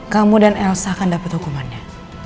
kamu dan elsa akan dapat hukumannya